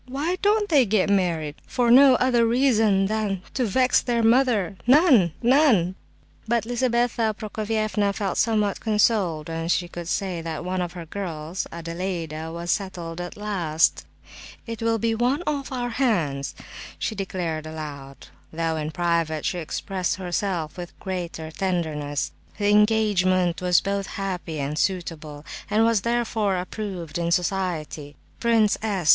Why don't they get married? For no other reason than to vex their mother—none—none!" But Lizabetha Prokofievna felt somewhat consoled when she could say that one of her girls, Adelaida, was settled at last. "It will be one off our hands!" she declared aloud, though in private she expressed herself with greater tenderness. The engagement was both happy and suitable, and was therefore approved in society. Prince S.